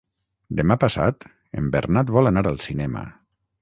Demà passat en Bernat vol anar al cinema.